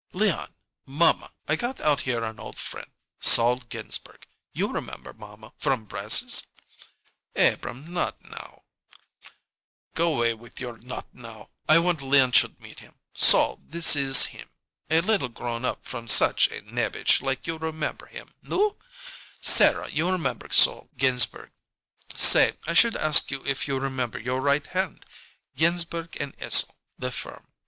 "Leon mamma I got out here an old friend Sol Ginsberg. You remember, mamma, from brasses " "Abrahm not now " "Go 'way with your 'not now'! I want Leon should meet him. Sol, this is him a little grown up from such a nebich like you remember him nu? Sarah, you remember Sol Ginsberg? Say I should ask you if you remember your right hand! Ginsberg & Esel, the firm.